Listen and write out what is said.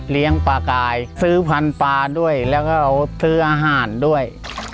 ปลากายซื้อพันธุ์ปลาด้วยแล้วก็เอาซื้ออาหารด้วย